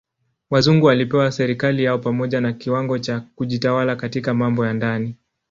Wazungu walipewa serikali yao pamoja na kiwango cha kujitawala katika mambo ya ndani.